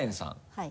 はい。